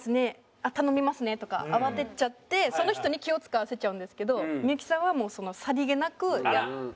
「あっ頼みますね」とか慌てちゃってその人に気を使わせちゃうんですけど幸さんはさり気なくやって。